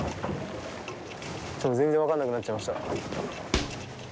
全然分かんなくなっちゃいました。